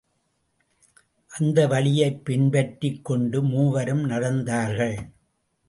அந்த வழியைப் பின்பற்றிக் கொண்டு மூவரும் நடந்தார்கள்.